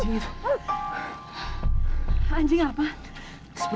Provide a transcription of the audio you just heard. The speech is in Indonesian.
saya ingin tahu langsung dari mereka